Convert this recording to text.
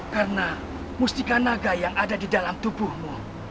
karena mustika naga yang ada di dalam tubuhmu